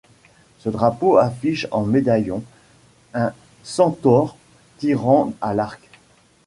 Ce drapeau affiche, en médaillon, un centaure tirant à l’arc.